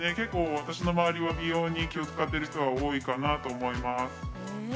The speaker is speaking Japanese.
私の周りは美容に気を使ってる方は多いと思います。